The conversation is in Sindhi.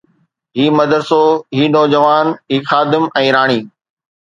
هي مدرسو، هي نوجوان، هي خادم ۽ راڻي